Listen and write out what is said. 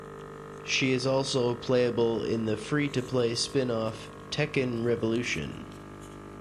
She is also playable in the free-to-play spin-off "Tekken Revolution".